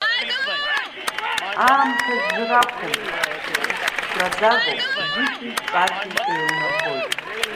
Аамҭа жәра ақәым, храӡагоуп, жәытәи ҿатәи еилнаргоит.